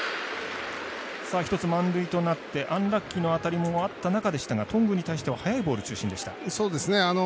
一つ、満塁となってアンラッキーの当たりもあった中ですが頓宮に対しては速いボール中心でした。